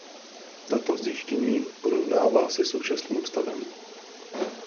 Tato zjištění porovnává se současným stavem.